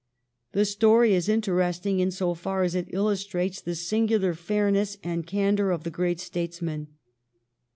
The story is interesting in so far as it illus trates the singular fairness and candor of the great statesman.